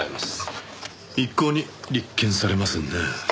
一向に立件されませんね。